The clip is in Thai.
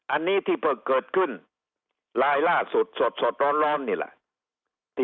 อันนี้ที่เปลือกเกิดขึ้นลายล่าสดสดสดล้อนล้อนนี่แหละ